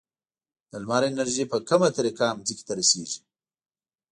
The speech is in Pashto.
د لمر انرژي په کومه طریقه ځمکې ته رسیږي؟